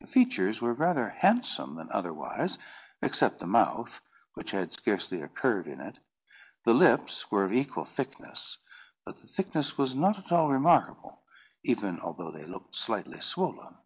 The features were rather handsome than otherwise, except the mouth, which had scarcely a curve in it. The lips were of equal thickness; but the thickness was not at all remarkable, even although they looked slightly swollen.